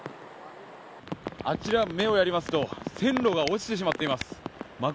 あちらに目をやりますと線路が落ちてしまっています。